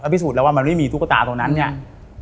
พิสูจน์แล้วว่ามันไม่มีตุ๊กตาตรงนั้นเนี่ย